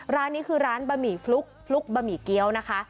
ร้านนี้คือร้านบะหมี่ฟลุกบะหมี่เกี้ยวนะคะ